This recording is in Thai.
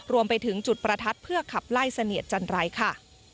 รวมไปถึงจุดประทัดเพื่อขับไล่เสนียดจันไรค่ะ